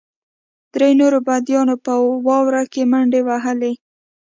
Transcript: درې نورو بندیانو په واوره کې منډې وهلې